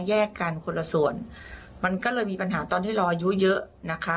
แยกกันคนละส่วนมันก็เลยมีปัญหาตอนที่เราอายุเยอะนะคะ